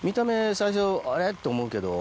最初あれ？と思うけど。